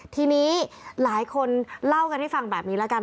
ทีนี้หลายคนเล่ากันให้ฟังแบบนี้แล้วกัน